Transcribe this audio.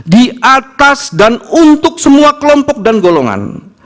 di atas dan untuk semua kelompok dan golongan